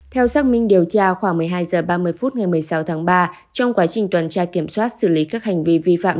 theo xác minh điều tra khoảng một mươi hai h ba mươi phút ngày một mươi sáu tháng ba trong quá trình tuần tra kiểm soát xử lý các hành vi vi phạm